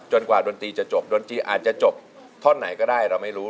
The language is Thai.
กว่าดนตรีจะจบดนตรีอาจจะจบท่อนไหนก็ได้เราไม่รู้